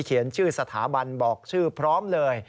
เขียนชื่อสถาบันบอกชื่อพร้อมเลย